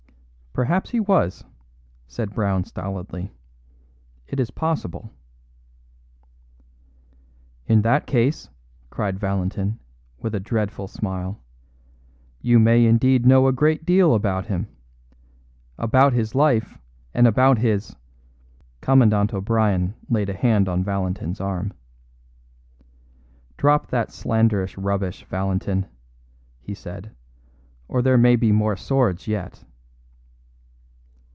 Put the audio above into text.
"Perhaps he was," said Brown stolidly; "it is possible." "In that case," cried Valentin, with a dreadful smile, "you may indeed know a great deal about him. About his life and about his " Commandant O'Brien laid a hand on Valentin's arm. "Drop that slanderous rubbish, Valentin," he said, "or there may be more swords yet."